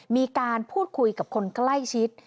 มีการพูดคุยกับคนใกล้ชิด